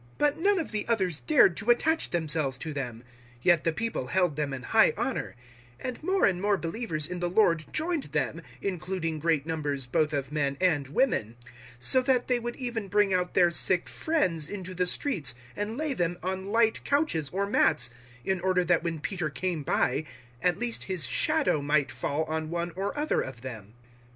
005:013 But none of the others dared to attach themselves to them. Yet the people held them in high honour 005:014 and more and more believers in the Lord joined them, including great numbers both of men and women 005:015 so that they would even bring out their sick friends into the streets and lay them on light couches or mats, in order that when Peter came by, at least his shadow might fall on one or other of them.